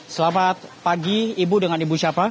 selamat pagi ibu dengan ibu siapa